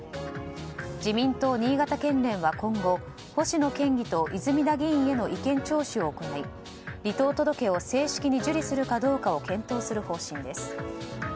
自民党新潟県連は今後、星野県議と泉田議員への意見聴取を行い離党届を正式に受理するかどうかを検討する方針です。